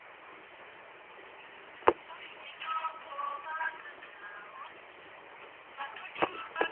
Funguvisiwa ya Franz Josef Severnaya Zemlya Visiwa